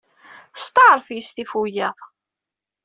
Steɛṛef yes-s tif wiyaḍ.